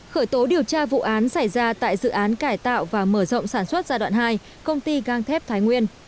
khởi tố điều tra vụ án xảy ra tại dự án cải tạo và mở rộng sản xuất giai đoạn hai công ty gang thép thái nguyên